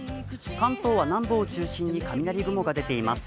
関東は南部を中心に雷雲が出ています。